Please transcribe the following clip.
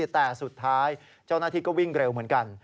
แต่สุดท้ายเจ้าหน้าที่ก็วิ่งเร็วเหมือนกัน